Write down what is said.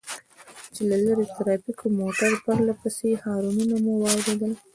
چې له لرې د ټرافيکو د موټر پرله پسې هارنونه مو واورېدل.